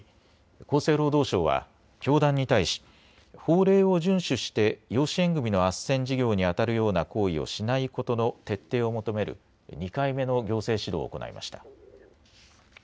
厚生労働省は教団に対し法令を順守して養子縁組みのあっせん事業にあたるような行為をしないことの徹底を求める２回目の行政指導を行いました。